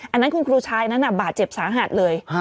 อันนั้นคุณครูชายนั้นบาดเจ็บสาหัสเลย